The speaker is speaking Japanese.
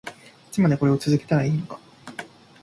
いつまでこれを続けたらいいのか